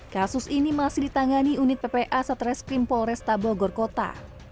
kasus ini masih ditangani unit ppa satreskrim polresta bogor kota